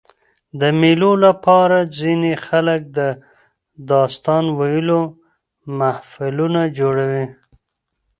د مېلو له پاره ځيني خلک د داستان ویلو محفلونه جوړوي.